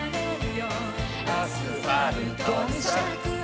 「アスファルトに咲く」